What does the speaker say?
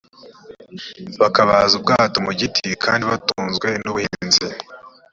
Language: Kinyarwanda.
bakabaza ubwato mu giti kandi batunzwe n ubuhinzi